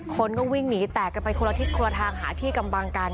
คนก็วิ่งหนีแตกกันไปคนละทิศคนละทางหาที่กำบังกัน